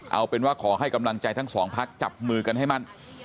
เอาเป็นว่าขอให้กำลังใจทั้งสองพักจับมือกันให้มั่น